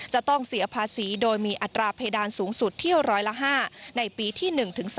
จะต้องเสียภาษีโดยมีอัตราเพดานสูงสุดเที่ยวร้อยละ๕ในปีที่๑๓